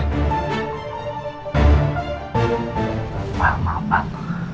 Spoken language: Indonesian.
pak maaf pak